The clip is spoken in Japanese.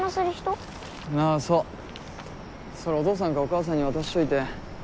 それお父さんかお母さんに渡しといて。